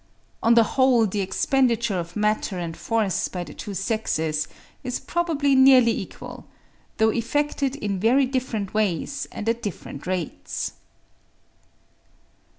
On the whole the expenditure of matter and force by the two sexes is probably nearly equal, though effected in very different ways and at different rates.